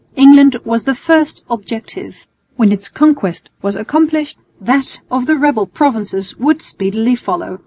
England was the first objective. When its conquest was accomplished that of the rebel provinces would speedily follow.